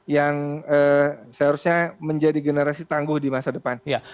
yang seharusnya menjadi generasi tangguh di masa depan